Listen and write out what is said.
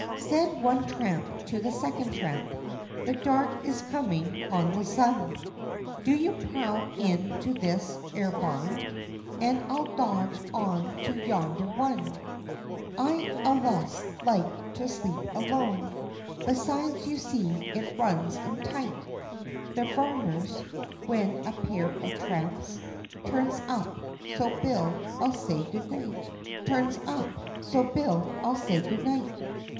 SAID one tramp, to the second tramp, "The dark is comin' on the sun, Do you prowl in to this 'ere barn. And I'll dodge on to yonder one. "I allus likes to sleep alone, Besides you see, it runs' em tight, The Varmers, when a pair o' tramps Turns up, so Bill, I'll say good night."